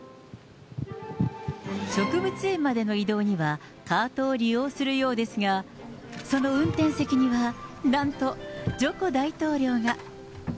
植物園までの移動にはカートを利用するようですが、その運転席にはなんと、ジョコ大統領が。